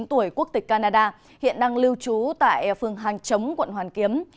ba mươi chín tuổi quốc tịch canada hiện đang lưu trú tại phương hàng chống quận hoàn kiếm